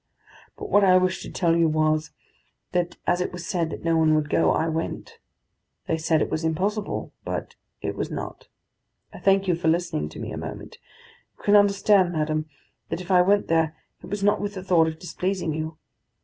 But what I wished to tell you was, that as it was said that no one would go, I went. They said it was impossible; but it was not. I thank you for listening to me a moment. You can understand, madam, that if I went there, it was not with the thought of displeasing you.